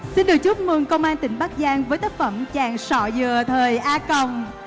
xin được chúc mừng công an tỉnh bắc giang với tác phẩm chàng sọ dừa thời a còng